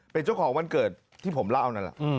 เป็นเจ้าของวันเกิดที่ผมเล่านั่นแหละ